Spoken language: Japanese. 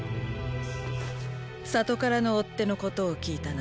里からの追っ手のことを聞いたな。